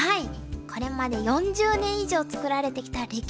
これまで４０年以上作られてきた歴史ある新聞なんです。